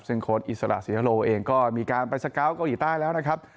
ซึ่งโค้ดอิสระเสโลเองก็มีการไปสเกาะเกาหลีใต้แล้วนะครับ